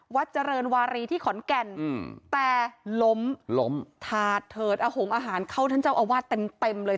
เจริญวารีที่ขอนแก่นแต่ล้มล้มถาดเถิดอหงอาหารเข้าท่านเจ้าอาวาสเต็มเต็มเลย